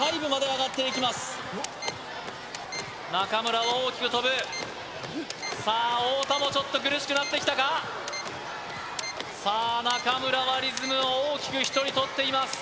中村は大きく跳ぶさあ太田もちょっと苦しくなってきたかさあ中村はリズムを大きく一人とっています